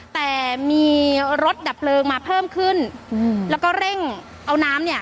แต่มีรถดับเพลิงมาเพิ่มขึ้นอืมแล้วก็เร่งเอาน้ำเนี่ย